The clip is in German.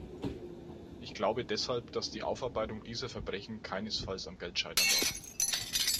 Ich glaube deshalb, dass die Aufarbeitung dieser Verbrechen keinesfalls am Geld scheitern darf.